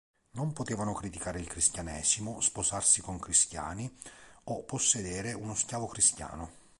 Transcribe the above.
Non potevano criticare il Cristianesimo, sposarsi con cristiani, o possedere uno schiavo cristiano.